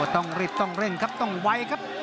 ต้องรีบต้องเร่งครับต้องไวครับ